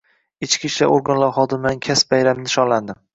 Ichki ishlar organlari xodimlarining kasb bayrami nishonlanding